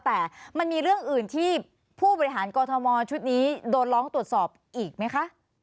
แต่มันมีเรื่องอื่นที่ผู้บริหารกอทมชุดนี้โดนร้องตรวจสอบอีกไหมคะ